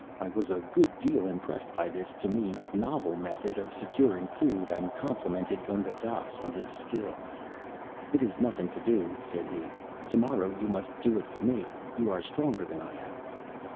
I was a good deal impressed by this, to me, novel method of securing food, and complimented Gunga Dass on his skill. "It is nothing to do," said he. "Tomorrow you must do it for me. You are stronger than I am."